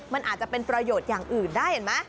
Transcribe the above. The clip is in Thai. มันอาจจะเป็นประโยชน์อย่างอื่นได้เห็นไหม